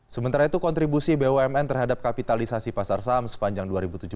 sementara itu kontribusi bumn terhadap kapitalisasi pasar saham sepanjang dua ribu tujuh belas